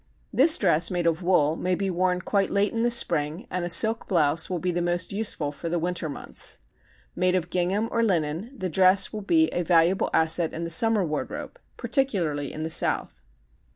This dress made of wool may be worn quite late in the spring and a silk blouse will be most useful for the winter months. Made of gingham or linen the dress will be a valuable asset in the summer wardrobe, particularly in the South.